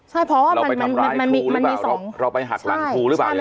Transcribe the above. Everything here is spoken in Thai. ใช่เพราะว่าเราไปทำร้ายครูหรือเปล่าเราไปหักหลังครูหรือเปล่าใช่